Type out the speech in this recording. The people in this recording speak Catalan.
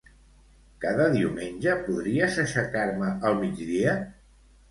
Cada diumenge podries aixecar-me al migdia?